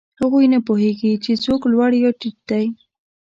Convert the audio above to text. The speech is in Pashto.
هغوی نه پوهېږي، چې څوک لوړ یا ټیټ دی.